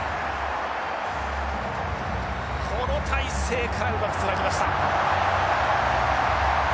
この体勢からうまくつなぎました。